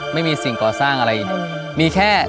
ไม่มีสิ่งก่อสร้างอะไรมีแค่